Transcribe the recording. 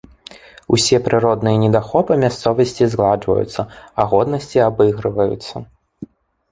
Усе прыродныя недахопы мясцовасці згладжваюцца, а годнасці абыгрываюцца.